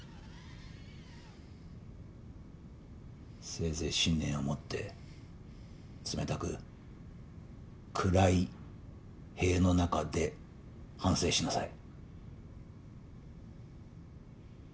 せいぜい信念を持って冷たく暗い塀の中で反省しなさい。